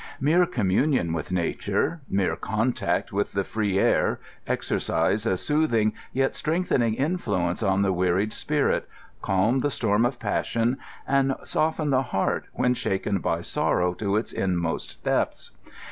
Mere communion with nature, mere contact with the free air, exercise a soothing yet strengthening influence on the weaned spirit, calm the storm of passion, and soften the heart when shaken by sorrow to its inmost depths.